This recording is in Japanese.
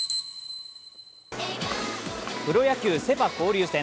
プロ野球セ・パ交流戦。